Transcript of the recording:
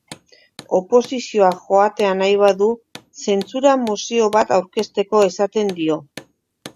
Oposizioak joatea nahi badu, zentsura mozio bat aurkezteko esaten dio.